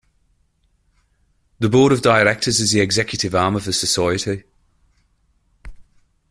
The Board of Directors is the executive arm of the Society.